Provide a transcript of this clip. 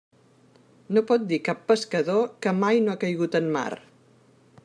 No pot dir cap pescador que mai no ha caigut en mar.